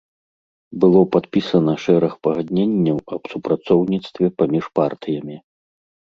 Было падпісана шэраг пагадненняў аб супрацоўніцтве паміж партыямі.